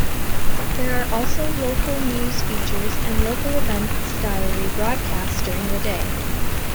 There are also local news features and local events diary broadcasts during the day.